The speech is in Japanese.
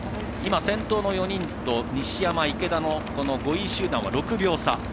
先頭の４人と西山、池田の５位集団は６秒差。